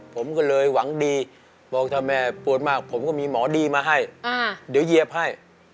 ผมก็เลยหวังดีบอกถ้าแม่ปวดมากผมก็มีหมอดีมาให้เดี๋ยวเย็บให้